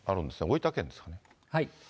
大分県ですね。